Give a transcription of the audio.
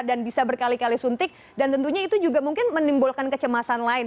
dan bisa berkali kali suntik dan tentunya itu juga mungkin menimbulkan kecemasan lain